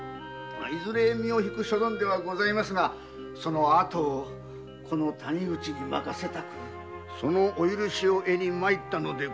いずれ身を引く所存ですがその後をこの谷口に任せたくそのお許しを得に参ったのです。